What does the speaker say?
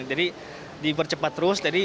jadi dipercepat terus